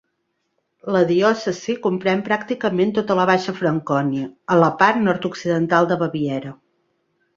La diòcesi comprèn pràcticament tota la Baixa Francònia, a la part nord-occidental de Baviera.